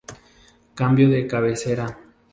Cambio de cabecera.